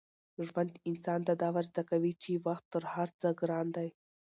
ژوند انسان ته دا ور زده کوي چي وخت تر هر څه ګران دی.